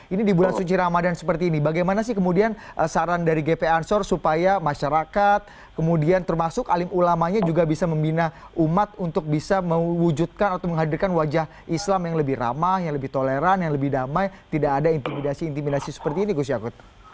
ini di bulan suci ramadan seperti ini bagaimana sih kemudian saran dari gp ansor supaya masyarakat kemudian termasuk alim ulamanya juga bisa membina umat untuk bisa mewujudkan atau menghadirkan wajah islam yang lebih ramah yang lebih toleran yang lebih damai tidak ada intimidasi intimidasi seperti ini gus yakut